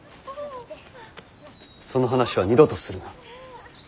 その話は二度とするな。